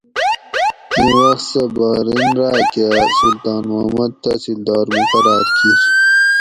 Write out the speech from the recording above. اِیں وخت سہ بحرین راۤکہ سلطان محمد تحصیلدار مقراۤر کیر